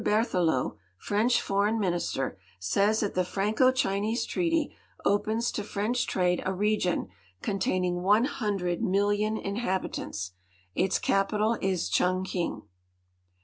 Berthelot, French Foreign Minister, says that the Franco Chinese treaty opens to French trade a region containing 100,000,000 inhabitants. Its capital is Chung king.